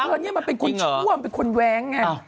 อันนี้มันเป็นคนชั่วมันเป็นคนแว้งไง